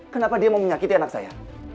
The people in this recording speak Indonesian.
kenapa dia mau menyakiti anak saya